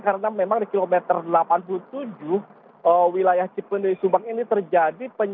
karena memang di kilometer delapan puluh tujuh wilayah cipali subang ini terjadi penyebabnya